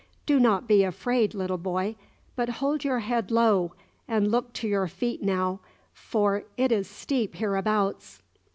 "Do not be afraid, little boy! But hold your head low; and look to your feet now, for it is steep hereabouts."